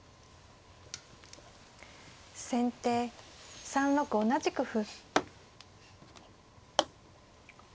先手３六同じく歩。